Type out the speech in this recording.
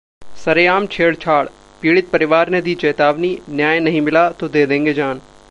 सरेआम छेड़छाड़: पीड़ित परिवार ने दी चेतावनी- न्याय नहीं मिला तो दे देंगे जान